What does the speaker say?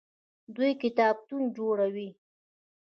دوی کتابتونونه جوړوي.